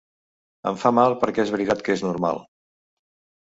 Em fa mal perquè és veritat que és ‘normal’.